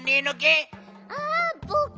あぼく